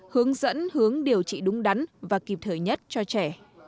hướng dẫn hướng điều trị đúng đắn và kịp thời nhất cho trẻ